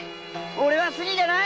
俺はスリじゃない！